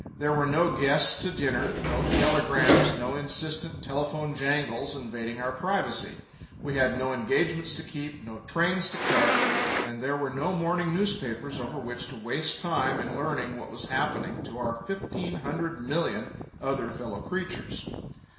There were no guests to dinner, no telegrams, no insistent telephone jangles invading our privacy. We had no engagements to keep, no trains to catch, and there were no morning newspapers over which to waste time in learning what was happening to our fifteen hundred million other fellow creatures.